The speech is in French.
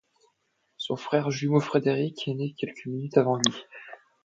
Son frère jumeau, Frédéric, est né quelques minutes avant lui.